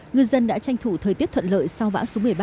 ngư dân đã tranh thủ thời tiết thuận lợi sau bão số một mươi ba